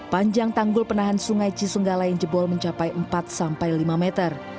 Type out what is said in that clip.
panjang tanggul penahan sungai cisunggala yang jebol mencapai empat sampai lima meter